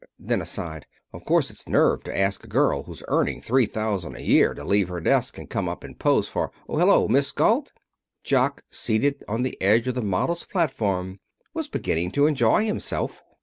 Then, aside, "Of course it's nerve to ask a girl who's earning three thousand a year to leave her desk and come up and pose for Hello! Miss Galt?" Jock, seated on the edge of the models' platform, was beginning to enjoy himself.